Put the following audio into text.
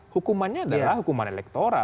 hukumannya adalah hukuman elektoral